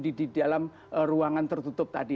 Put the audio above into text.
di dalam ruangan tertutup tadi